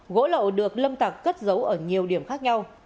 gỗ lậu được lâm tặc cất giấu ở nhiều điểm khác nhau